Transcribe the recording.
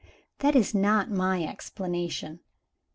That is not my explanation.